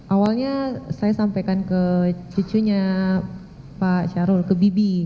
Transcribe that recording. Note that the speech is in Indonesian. awalnya saya sampaikan ke cucunya pak syarul ke bibi